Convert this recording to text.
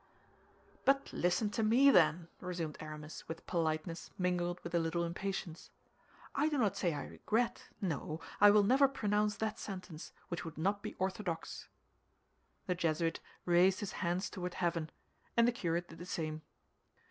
"But listen to me, then," resumed Aramis with politeness mingled with a little impatience. "I do not say I regret; no, I will never pronounce that sentence, which would not be orthodox." The Jesuit raised his hands toward heaven, and the curate did the same.